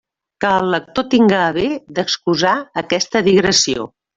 Que el lector tinga a bé d'excusar aquesta digressió.